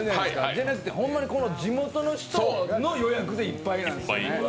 でなくて、ホンマに地元の人の予約でいっぱいなんです。